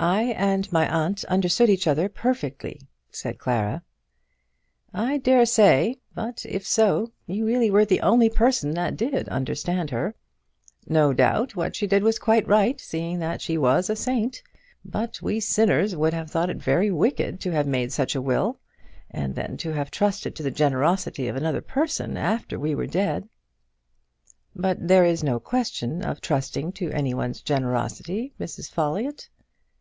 "I and my aunt understood each other perfectly," said Clara. "I dare say. But if so, you really were the only person that did understand her. No doubt what she did was quite right, seeing that she was a saint; but we sinners would have thought it very wicked to have made such a will, and then to have trusted to the generosity of another person after we were dead." "But there is no question of trusting to any one's generosity, Mrs. Folliott."